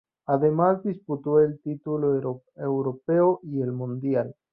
Además disputó el título europeo y el mundial.